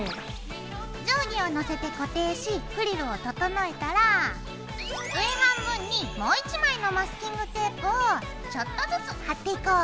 定規を乗せて固定しフリルを整えたら上半分にもう１枚のマスキングテープをちょっとずつ貼っていこう。